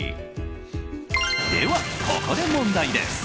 では、ここで問題です。